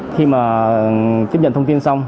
tiếp nhận thông tin xong